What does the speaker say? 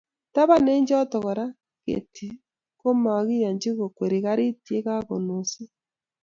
Taban eng choto, kora ketik komakiyanchi kokweri garit ye kakonoisie